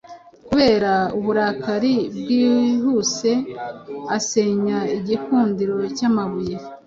kubera uburakari bwihuseasenya igikundiro cyamabuye